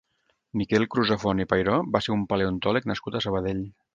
Miquel Crusafont i Pairó va ser un paleontòleg nascut a Sabadell.